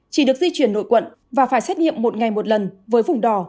chỉ được di chuyển nội quận và phải xét nghiệm một ngày một lần với vùng đỏ